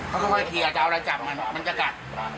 มันก็ค่อยอาจจะเอาอะไรจับมันมันจะกัด